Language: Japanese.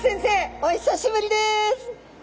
お久しぶりです。